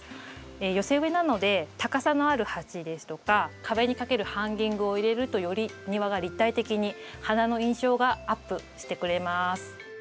寄せ植えなので高さのある鉢ですとか壁に掛けるハンギングを入れるとより庭が立体的に花の印象がアップしてくれます。